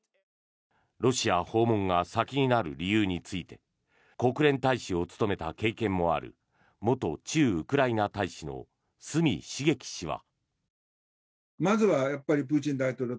ロシア訪問が先になる理由について国連大使を務めた経験もある元駐ウクライナ大使の角茂樹氏は。